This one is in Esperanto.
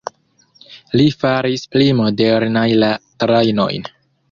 Li faris pli modernaj la trajnojn.